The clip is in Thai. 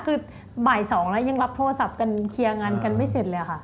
คือบ่าย๒แล้วยังรับโทรศัพท์กันเคลียร์งานกันไม่เสร็จเลยค่ะ